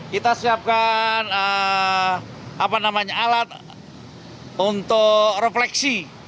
kita siapkan alat untuk refleksi